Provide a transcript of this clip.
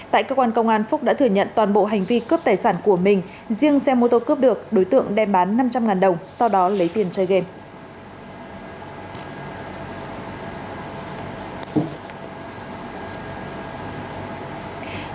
tại cơ quan công an phúc đã thừa nhận toàn bộ hành vi cướp tài sản của mình riêng xe mô tô cướp được đối tượng đem bán năm trăm linh đồng sau đó lấy tiền chơi game